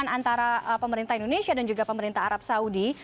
antara pemerintah indonesia dan juga pemerintah arab saudi